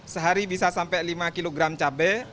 sehari bisa sampai lima kilogram cabai